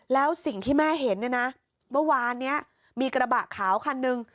แล้วสิ่งที่แม่เห็นเนี่ยนะเมื่อวานนี้มีกระบะขาวคันหนึ่ง